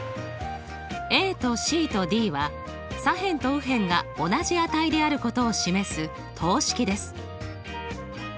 ＡとＣとＤは左辺と右辺が同じ値であることを示す等式です。